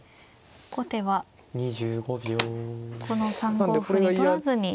後手はこの３五歩に取らずに。